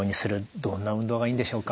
どんな運動がいいんでしょうか？